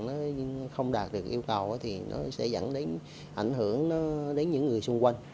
nó không đạt được yêu cầu thì nó sẽ dẫn đến ảnh hưởng đến những người xung quanh